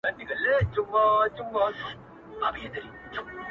ما خو په دې ياغي وطـــــن كــــي يــــــــاره.